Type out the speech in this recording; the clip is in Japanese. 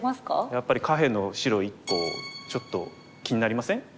やっぱり下辺の白１個ちょっと気になりません？